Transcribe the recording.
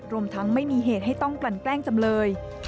รวมทั้งไม่มีเหตุให้ต้องกลั่นแกล้งจำเลย